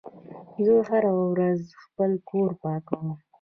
زه هره ورځ خپل کور پاکوم.